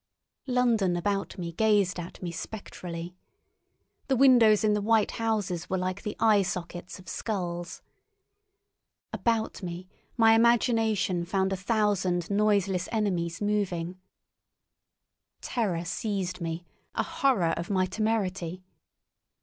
London about me gazed at me spectrally. The windows in the white houses were like the eye sockets of skulls. About me my imagination found a thousand noiseless enemies moving. Terror seized me, a horror of my temerity.